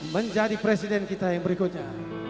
menjadi presiden kita yang berikutnya